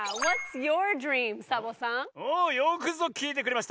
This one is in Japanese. およくぞきいてくれました！